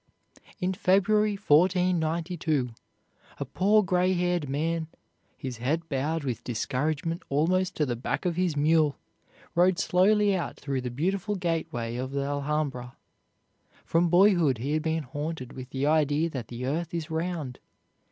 In February, 1492, a poor gray haired man, his head bowed with discouragement almost to the back of his mule, rode slowly out through the beautiful gateway of the Alhambra. From boyhood he had been haunted with the idea that the earth is round.